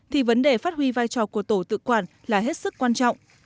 thì vấn đề phát huy vai trò của tổ tự quản là hết sức quan trọng